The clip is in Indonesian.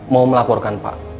mau melaporkan pak